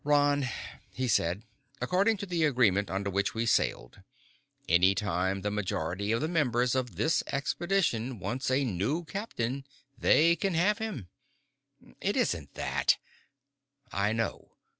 "Ron," he said, "according to the agreement under which we sailed, any time the majority of the members of this expedition wants a new captain, they can have him." "It isn't that." "I know.